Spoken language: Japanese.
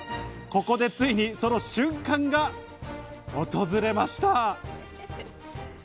ここでついにその瞬間が訪れました。